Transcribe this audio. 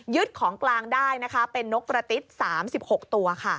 ยึดของกลางได้เป็นนกตระติด๓๖ตัว